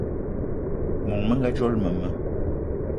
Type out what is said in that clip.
Món menga dzolo mema